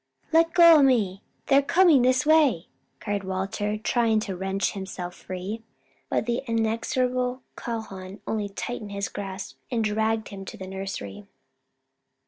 "Let go o' me! they're coming this way," cried Walter, trying to wrench himself free. But the inexorable Calhoun only tightened his grasp and dragged him on to the nursery.